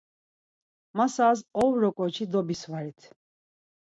Masaz ovro k̆oçi dobisvarit.